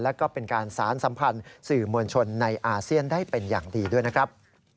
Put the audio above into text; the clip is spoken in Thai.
แล้วก็เป็นการสารสัมพันธ์สื่อมวลชนในอาเซียนได้เป็นอย่างดีด้วยนะครับ